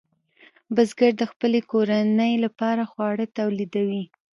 بزګر د خپلې کورنۍ لپاره خواړه تولیدوي.